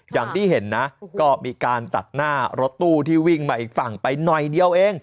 อย่างที่เห็นนะก็มีการตัดหน้ารถตู้ที่วิ่งมาอีกฝั่งไปหน่อยเดียวเอง